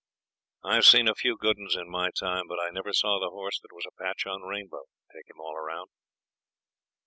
I've seen a few good 'uns in my time, but I never saw the horse that was a patch on Rainbow, take him all round.